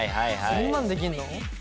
そんなんできんの？